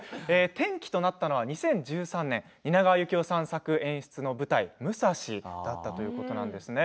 転機となったのは２０１３年蜷川幸雄さん作・演出の舞台「ムサシ」だったということなんですよね。